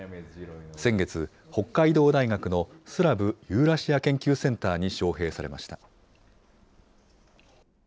先月、北海道大学のスラブ・ユーラシア研究センターに招へいされました。